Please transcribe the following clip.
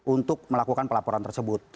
untuk melakukan pelaporan tersebut